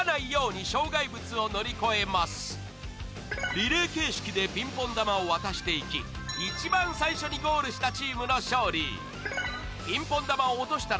リレー形式でピンポン玉を渡していき一番最初にゴールしたチームの勝利